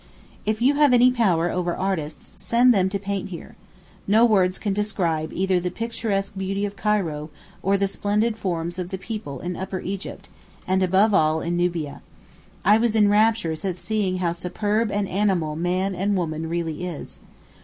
If you have any power over any artists, send them to paint here. No words can describe either the picturesque beauty of Cairo or the splendid forms of the people in Upper Egypt, and above all in Nubia. I was in raptures at seeing how superb an animal man (and woman) really is.